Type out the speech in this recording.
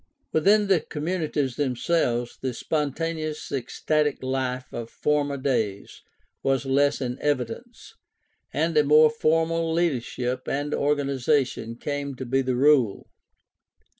Within the com munities themselves the spontaneous ecstatic life of former days was less in evidence, and a more formal leadership and organization came to be the rule.